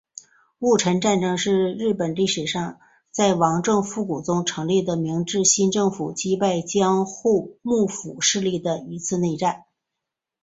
戊辰战争是日本历史上在王政复古中成立的明治新政府击败江户幕府势力的一次内战。